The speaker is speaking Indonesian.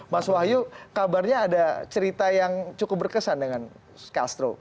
mas wahyu kabarnya ada cerita yang cukup berkesan dengan castro